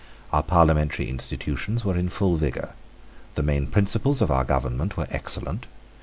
Our parliamentary institutions were in full vigour. The main principles of our government were excellent.